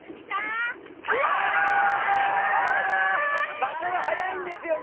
場所が早いんですよね。